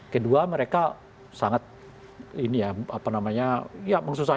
kedua mereka sangat ini ya apa namanya ya maksud saya berkomunikasi dengan orang lain